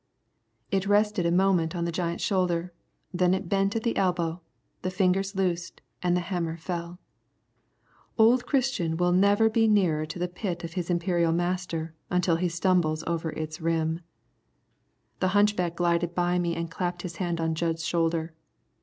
It rested a moment on the giant's shoulder, then it bent at the elbow, the fingers loosed, and the hammer fell. Old Christian will never be nearer to the pit of his imperial master until he stumbles over its rim. The hunchback glided by me and clapped his hand on Jud's shoulder.